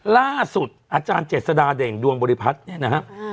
ล่าสุดอาจารย์เจษฎาเด่งดวงบริพัฒน์เนี่ยนะครับ